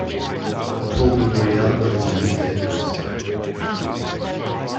A Pulmonary Embolism is dangerous.